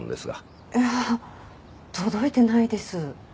いや届いてないです。